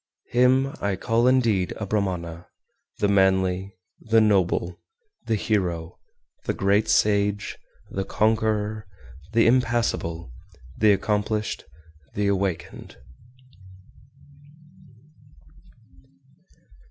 422. Him I call indeed a Brahmana, the manly, the noble, the hero, the great sage, the conqueror, the impassible, the accomplished, the awakened.